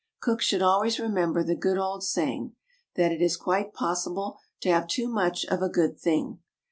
Cooks should always remember the good old saying that it is quite possible to have too much of a good thing.